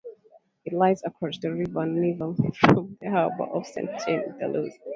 It lies across the river Nivelle from the harbour of Saint-Jean-de-Luz.